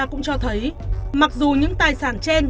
cũng cho thấy mặc dù những tài sản trên